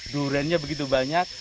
durennya begitu banyak